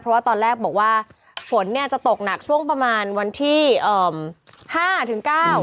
เพราะว่าตอนแรกบอกว่าฝนจะตกหนักช่วงประมาณวันที่๕ถึง๙